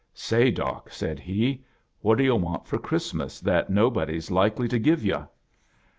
"Say, Eoc," said he, "what do yu' want for Christmas that nobody's likely to give 70*